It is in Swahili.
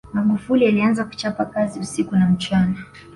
magufuli alianza kuchapa kazi usiku na mchana